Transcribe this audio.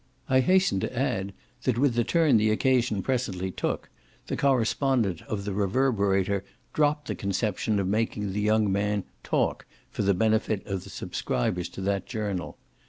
I hasten to add that with the turn the occasion presently took the correspondent of the Reverberator dropped the conception of making the young man "talk" for the benefit of the subscribers to that journal.